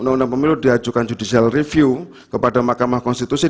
undang undang pemilu diajukan judicial review kepada mahkamah konstitusi